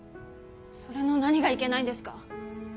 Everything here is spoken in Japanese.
それの何がいけないんですか？